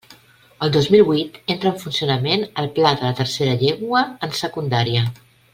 El dos mil huit entra en funcionament el Pla de la tercera llengua, en Secundària.